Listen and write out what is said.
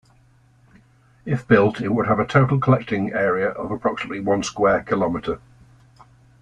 If built, it would have a total collecting area of approximately one square kilometre.